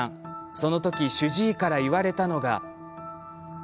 その時、主治医から言われたのが。